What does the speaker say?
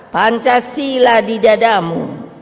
pancasila di dadamu